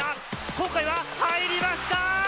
今回は入りました！